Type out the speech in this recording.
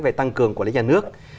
về tăng cường quản lý nhà nước